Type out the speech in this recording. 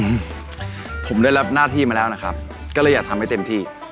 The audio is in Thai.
ผมผมได้รับหน้าที่มาแล้วนะครับก็เลยอยากทำให้เต็มที่